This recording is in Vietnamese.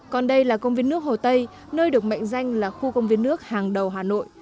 còn đây là công viên nước hồ tây nơi được mệnh danh là khu công viên nước hàng đầu hà nội